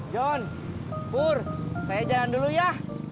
john bur saya jalan dulu ya